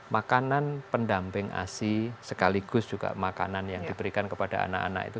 makanan pendamping asi sekaligus juga makanan yang diberikan kepada anak anak itu